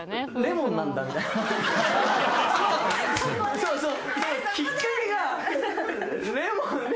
そうそう。